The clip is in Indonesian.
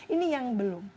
ini yang belum